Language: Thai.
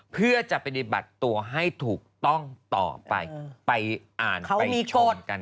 เพื่อจะปฏิบัติตัวให้ถูกต้องต่อไปไปอ่านไปชมกัน